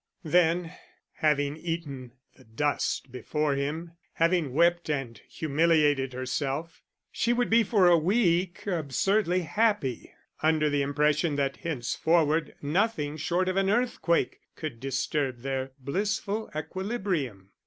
Then, having eaten the dust before him, having wept and humiliated herself, she would be for a week absurdly happy, under the impression that henceforward nothing short of an earthquake could disturb their blissful equilibrium.